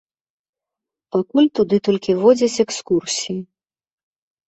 Пакуль туды толькі водзяць экскурсіі.